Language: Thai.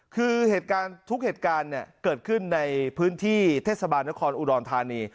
คือทุกเหตุการณ์เกิดขึ้นในพื้นที่เทศบาลนครอุดรามธานี